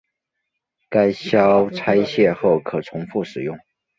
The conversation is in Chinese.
该销拆卸后可重复使用。